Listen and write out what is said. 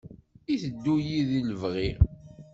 Iteddu-yi deg lebɣi.